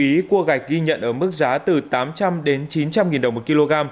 ý cua gạch ghi nhận ở mức giá từ tám trăm linh chín trăm linh đồng một kg